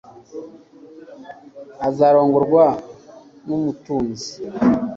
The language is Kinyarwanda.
azarongorwa numutunzi